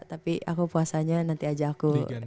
tapi aku puasanya nanti aja aku